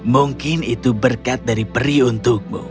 mungkin itu berkat dari peri untukmu